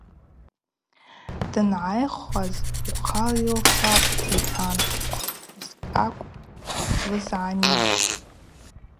Дангӏайхуаз – уахъа йылфапӏ – йхӏван хъвыдзтӏакӏв лызгӏанижьтӏ.